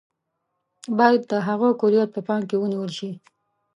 باید د هغه کُلیت په پام کې ونیول شي.